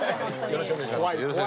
よろしくお願いします。